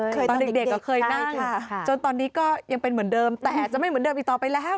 ตอนเด็กก็เคยนั่งจนตอนนี้ก็ยังเป็นเหมือนเดิมแต่จะไม่เหมือนเดิมอีกต่อไปแล้ว